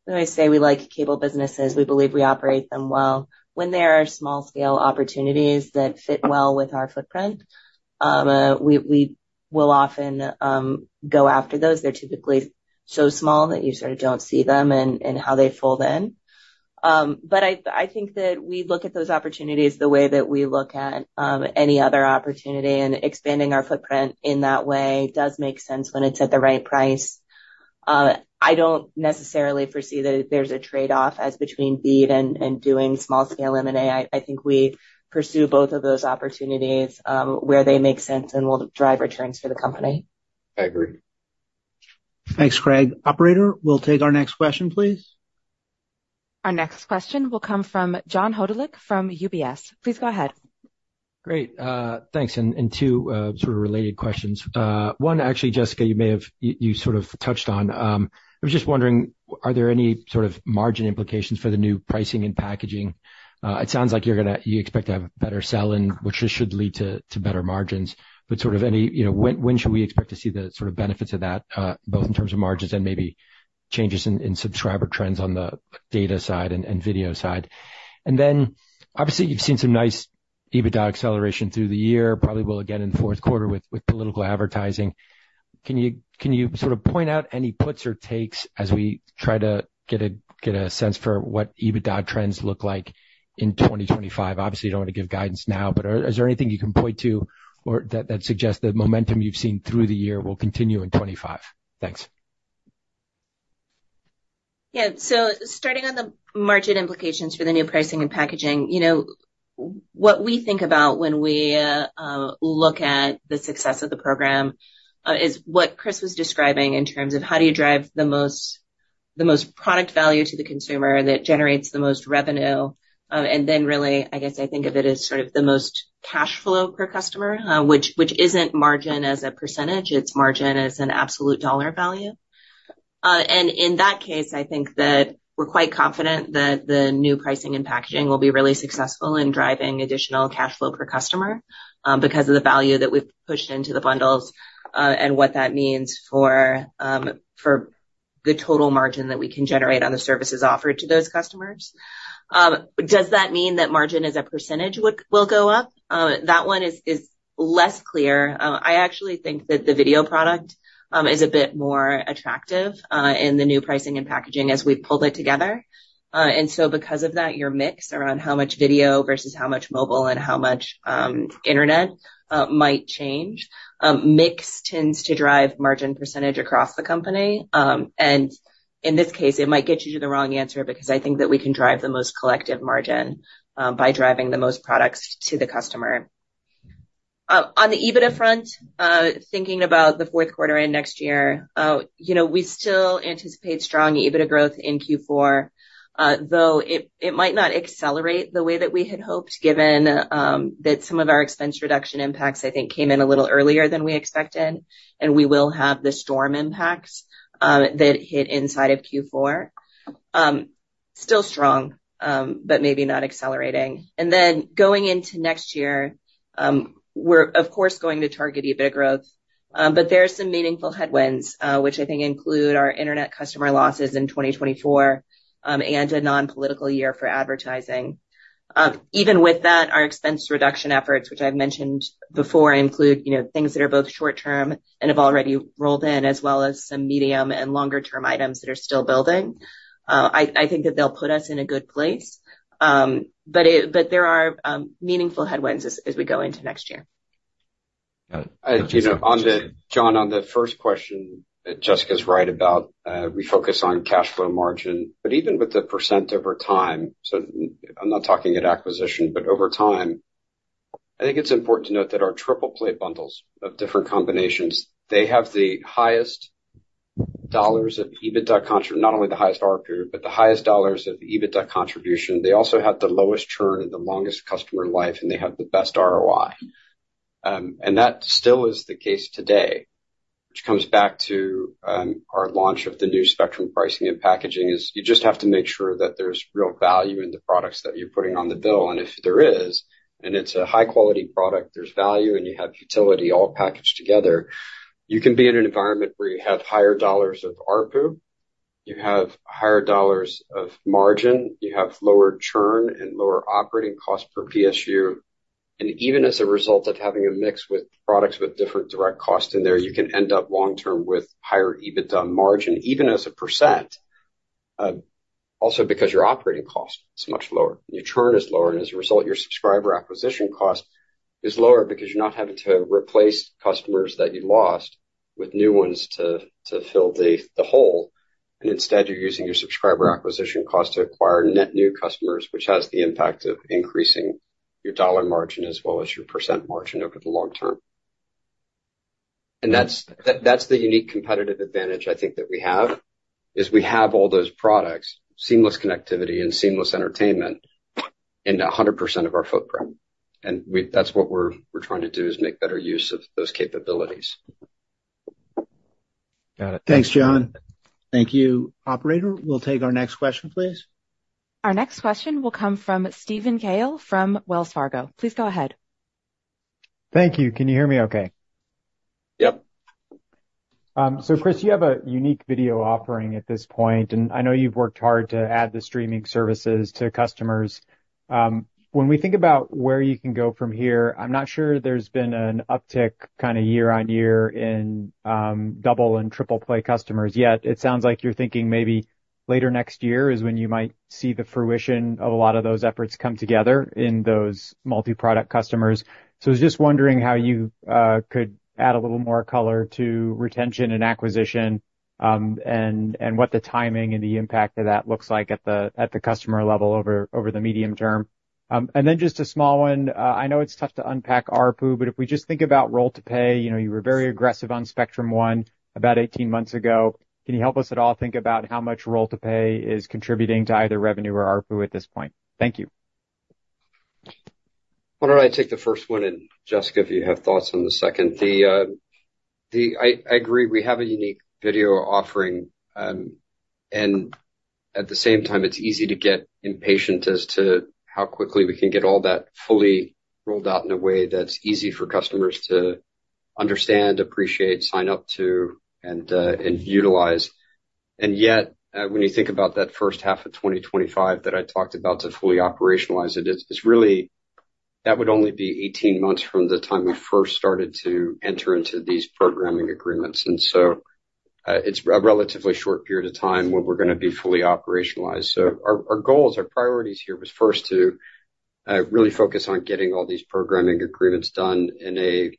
always say we like cable businesses. We believe we operate them well. When there are small-scale opportunities that fit well with our footprint, we will often go after those. They're typically so small that you sort of don't see them and how they fold in. But I think that we look at those opportunities the way that we look at any other opportunity, and expanding our footprint in that way does make sense when it's at the right price. I don't necessarily foresee that there's a trade-off as between BEAD and doing small-scale M&A. I think we pursue both of those opportunities where they make sense and will drive returns for the company. I agree. Thanks, Craig. Operator, we'll take our next question, please. Our next question will come from John Hodulik from UBS. Please go ahead. Great. Thanks. And two sort of related questions. One, actually, Jessica, you sort of touched on. I was just wondering, are there any sort of margin implications for the new pricing and packaging? It sounds like you expect to have a better sell-in, which should lead to better margins, but sort of when should we expect to see the sort of benefits of that, both in terms of margins and maybe changes in subscriber trends on the data side and video side? And then, obviously, you've seen some nice EBITDA acceleration through the year, probably will again in the fourth quarter with political advertising. Can you sort of point out any puts or takes as we try to get a sense for what EBITDA trends look like in 2025? Obviously, you don't want to give guidance now, but is there anything you can point to that suggests the momentum you've seen through the year will continue in 2025? Thanks. Yeah. So starting on the margin implications for the new pricing and packaging, what we think about when we look at the success of the program is what Chris was describing in terms of how do you drive the most product value to the consumer that generates the most revenue. And then really, I guess I think of it as sort of the most cash flow per customer, which isn't margin as a percentage. It's margin as an absolute dollar value. And in that case, I think that we're quite confident that the new pricing and packaging will be really successful in driving additional cash flow per customer because of the value that we've pushed into the bundles and what that means for the total margin that we can generate on the services offered to those customers. Does that mean that margin as a percentage will go up? That one is less clear. I actually think that the video product is a bit more attractive in the new pricing and packaging as we've pulled it together, and so because of that, your mix around how much video versus how much mobile and how much internet might change. Mix tends to drive margin percentage across the company, and in this case, it might get you to the wrong answer because I think that we can drive the most collective margin by driving the most products to the customer. On the EBITDA front, thinking about the fourth quarter and next year, we still anticipate strong EBITDA growth in Q4, though it might not accelerate the way that we had hoped, given that some of our expense reduction impacts, I think, came in a little earlier than we expected, and we will have the storm impacts that hit inside of Q4. Still strong, but maybe not accelerating. And then going into next year, we're, of course, going to target EBITDA growth, but there are some meaningful headwinds, which I think include our internet customer losses in 2024 and a non-political year for advertising. Even with that, our expense reduction efforts, which I've mentioned before, include things that are both short-term and have already rolled in, as well as some medium and longer-term items that are still building. I think that they'll put us in a good place, but there are meaningful headwinds as we go into next year. Got it. John, on the first question, Jessica's right about we focus on cash flow margin, but even with the percent over time, so I'm not talking at acquisition, but over time, I think it's important to note that our triple-play bundles of different combinations, they have the highest dollars of EBITDA contribution, not only the highest ARPU, but the highest dollars of EBITDA contribution. They also have the lowest churn and the longest customer life, and they have the best ROI. And that still is the case today, which comes back to our launch of the new Spectrum pricing and packaging is you just have to make sure that there's real value in the products that you're putting on the bill. And if there is, and it's a high-quality product, there's value, and you have utility all packaged together, you can be in an environment where you have higher dollars of ARPU, you have higher dollars of margin, you have lower churn and lower operating cost per PSU. And even as a result of having a mix with products with different direct costs in there, you can end up long-term with higher EBITDA margin, even as a percent, also because your operating cost is much lower. Your churn is lower, and as a result, your subscriber acquisition cost is lower because you're not having to replace customers that you lost with new ones to fill the hole. And instead, you're using your subscriber acquisition cost to acquire net new customers, which has the impact of increasing your dollar margin as well as your percent margin over the long term. And that's the unique competitive advantage I think that we have, is we have all those products, seamless connectivity, and seamless entertainment in 100% of our footprint. And that's what we're trying to do, is make better use of those capabilities. Got it. Thanks, John. Thank you. Operator, we'll take our next question, please. Our next question will come from Steven Cahall from Wells Fargo. Please go ahead. Thank you. Can you hear me okay? Yep. So, Chris, you have a unique video offering at this point, and I know you've worked hard to add the streaming services to customers. When we think about where you can go from here, I'm not sure there's been an uptick kind of year on year in double and triple play customers yet. It sounds like you're thinking maybe later next year is when you might see the fruition of a lot of those efforts come together in those multi-product customers. So I was just wondering how you could add a little more color to retention and acquisition and what the timing and the impact of that looks like at the customer level over the medium term. And then just a small one, I know it's tough to unpack ARPU, but if we just think about roll-to-pay, you were very aggressive on Spectrum One about 18 months ago. Can you help us at all think about how much roll-to-pay is contributing to either revenue or ARPU at this point? Thank you. Why don't I take the first one? And Jessica, if you have thoughts on the second. I agree. We have a unique video offering, and at the same time, it's easy to get impatient as to how quickly we can get all that fully rolled out in a way that's easy for customers to understand, appreciate, sign up to, and utilize, and yet, when you think about that first half of 2025 that I talked about to fully operationalize it, it's really that would only be 18 months from the time we first started to enter into these programming agreements, and so it's a relatively short period of time when we're going to be fully operationalized, so our goals, our priorities here was first to really focus on getting all these programming agreements done in a,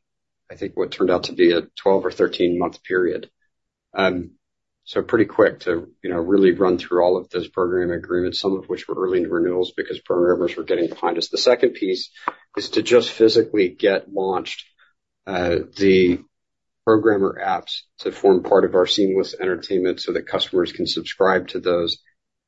I think, what turned out to be a 12 or 13-month period. So, pretty quick to really run through all of those programming agreements, some of which were early renewals because programmers were getting behind us. The second piece is to just physically get launched the programmer apps to form part of our seamless entertainment so that customers can subscribe to those.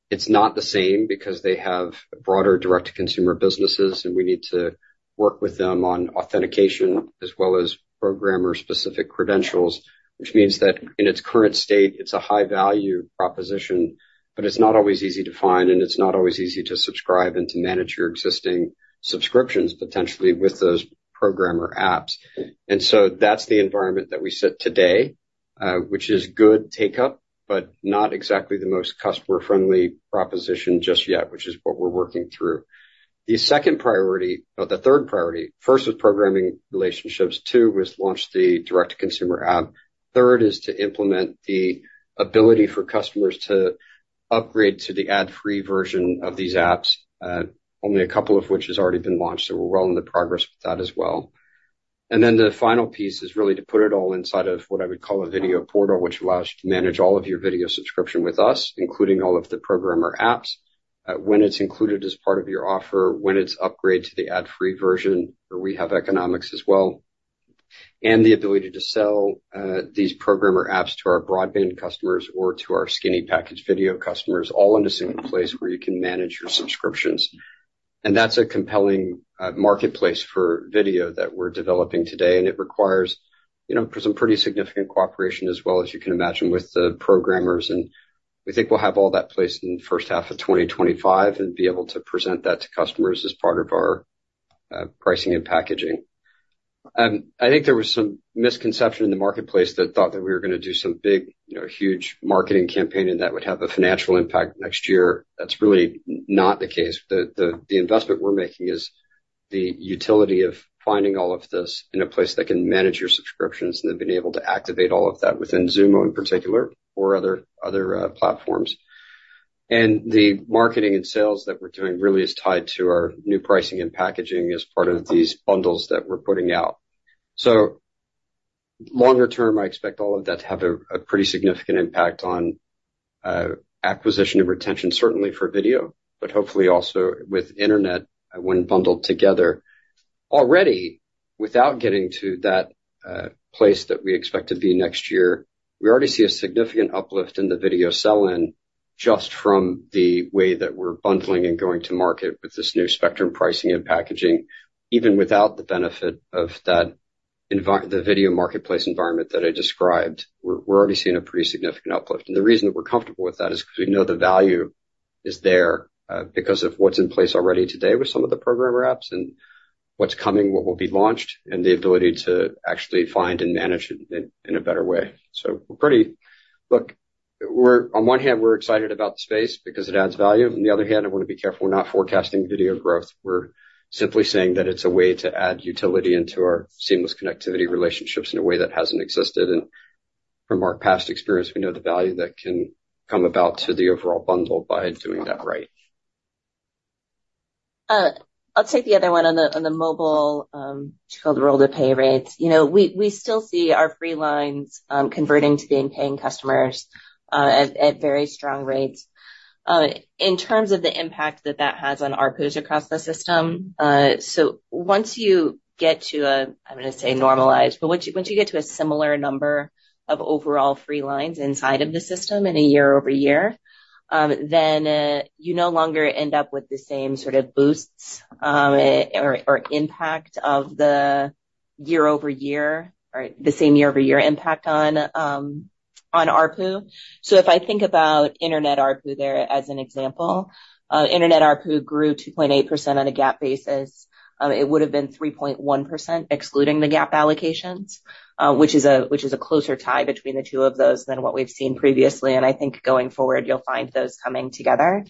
It's not the same because they have broader direct-to-consumer businesses, and we need to work with them on authentication as well as programmer-specific credentials, which means that in its current state, it's a high-value proposition, but it's not always easy to find, and it's not always easy to subscribe and to manage your existing subscriptions potentially with those programmer apps. And so that's the environment that we sit today, which is good take-up, but not exactly the most customer-friendly proposition just yet, which is what we're working through. The second priority, or the third priority, first was programming relationships. Two was launch the direct-to-consumer app. Third is to implement the ability for customers to upgrade to the ad-free version of these apps, only a couple of which have already been launched. So we're well in progress with that as well. And then the final piece is really to put it all inside of what I would call a video portal, which allows you to manage all of your video subscriptions with us, including all of the programmer apps, when it's included as part of your offer, when it's upgraded to the ad-free version, where we have economics as well, and the ability to sell these programmer apps to our broadband customers or to our skinny package video customers, all in a single place where you can manage your subscriptions, and that's a compelling marketplace for video that we're developing today. It requires some pretty significant cooperation, as well as you can imagine, with the programmers. We think we'll have all that placed in the first half of 2025 and be able to present that to customers as part of our pricing and packaging. I think there was some misconception in the marketplace that thought that we were going to do some big, huge marketing campaign and that would have a financial impact next year. That's really not the case. The investment we're making is the utility of finding all of this in a place that can manage your subscriptions and then being able to activate all of that within Xumo in particular or other platforms. The marketing and sales that we're doing really is tied to our new pricing and packaging as part of these bundles that we're putting out. So longer term, I expect all of that to have a pretty significant impact on acquisition and retention, certainly for video, but hopefully also with internet when bundled together. Already, without getting to that place that we expect to be next year, we already see a significant uplift in the video sell-in just from the way that we're bundling and going to market with this new Spectrum pricing and packaging, even without the benefit of the video marketplace environment that I described. We're already seeing a pretty significant uplift. And the reason that we're comfortable with that is because we know the value is there because of what's in place already today with some of the programmer apps and what's coming, what will be launched, and the ability to actually find and manage it in a better way. So look, on one hand, we're excited about the space because it adds value. On the other hand, I want to be careful we're not forecasting video growth. We're simply saying that it's a way to add utility into our seamless connectivity relationships in a way that hasn't existed. And from our past experience, we know the value that can come about to the overall bundle by doing that right. I'll take the other one on the mobile called roll-to-pay rates. We still see our free lines converting to being paying customers at very strong rates. In terms of the impact that that has on ARPUs across the system, so once you get to a, I'm going to say normalized, but once you get to a similar number of overall free lines inside of the system in a year-over-year, then you no longer end up with the same sort of boosts or impact of the year-over-year or the same year-over-year impact on ARPU. So if I think about internet ARPU there as an example, internet ARPU grew 2.8% on a GAAP basis. It would have been 3.1% excluding the GAAP allocations, which is a closer tie between the two of those than what we've seen previously, and I think going forward, you'll find those coming together.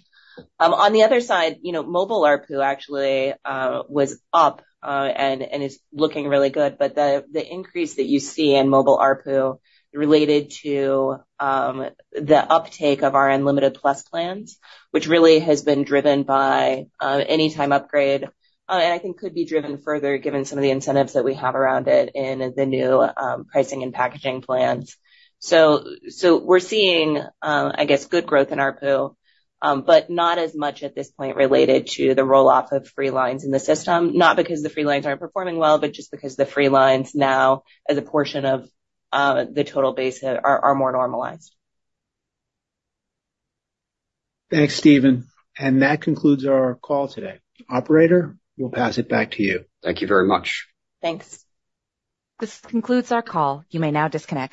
On the other side, mobile ARPU actually was up and is looking really good, but the increase that you see in mobile ARPU related to the uptake of our Unlimited Plus plans, which really has been driven by Anytime Upgrade, and I think could be driven further given some of the incentives that we have around it in the new pricing and packaging plans. So we're seeing, I guess, good growth in ARPU, but not as much at this point related to the rolloff of free lines in the system, not because the free lines aren't performing well, but just because the free lines now, as a portion of the total base, are more normalized. Thanks, Steven. And that concludes our call today. Operator, we'll pass it back to you. Thank you very much. Thanks. This concludes our call. You may now disconnect.